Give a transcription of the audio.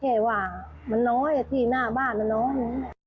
แค่ว่ามันน้อยที่หน้าบ้านมันน้อย